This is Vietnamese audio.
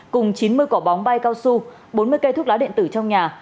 cùng chín mươi quả bóng bay cao su bốn mươi cây thuốc lá điện tử trong nhà